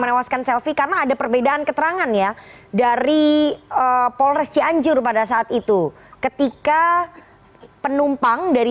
menewaskan selfie karena ada perbedaan keterangan ya dari polres cianjur pada saat itu ketika penumpang dari